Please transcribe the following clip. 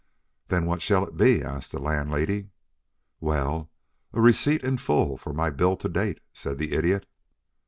"Then what shall it be?" asked the Landlady. "Well a receipt in full for my bill to date," said the Idiot.